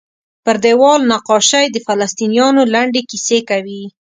پر دیوال نقاشۍ د فلسطینیانو لنډې کیسې کوي.